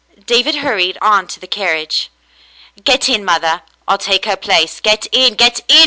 David hurried on to the carriage. " Get in, mother, I'll take her place. Get in, get in.